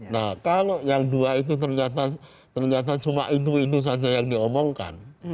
nah kalau yang dua itu ternyata cuma itu itu saja yang diomongkan